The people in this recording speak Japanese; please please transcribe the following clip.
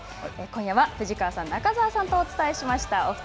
今夜は藤川さん、中澤さんとお伝えしました。